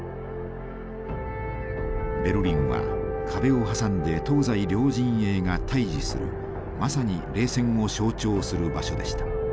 ベルリンは壁を挟んで東西両陣営が対峙するまさに冷戦を象徴する場所でした。